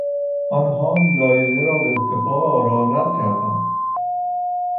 آنها لایحه را به اتفاق آرا رد کردند.